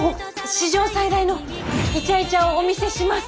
史上最大のイチャイチャをお見せします。